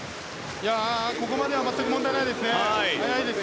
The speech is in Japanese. ここまでは全く問題なく速いです。